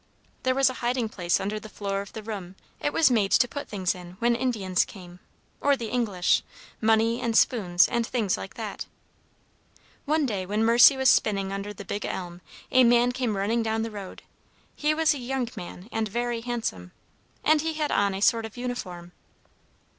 "There was a hiding place under the floor of the room. It was made to put things in when Indians came, or the English, money and spoons, and things like that. "One day when Mercy was spinning under the big elm, a man came running down the road. He was a young man, and very handsome, and he had on a sort of uniform.